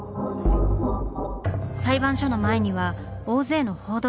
裁判所の前には大勢の報道陣が。